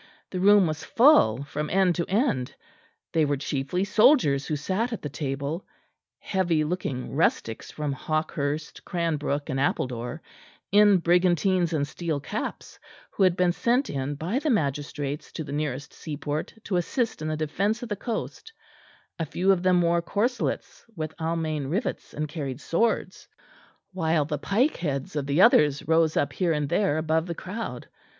The room was full from end to end. They were chiefly soldiers who sat at the table heavy looking rustics from Hawkhurst, Cranbrook and Appledore, in brigantines and steel caps, who had been sent in by the magistrates to the nearest seaport to assist in the defence of the coast a few of them wore corselets with almain rivets and carried swords, while the pike heads of the others rose up here and there above the crowd.